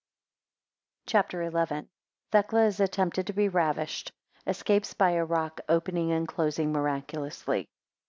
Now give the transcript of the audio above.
CHAPTER XI. 1 Thecla is attempted to be ravished, 12 escapes by a rock opening, 17 and closing miraculously.